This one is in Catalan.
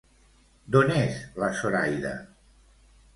D'on és la Zoraida?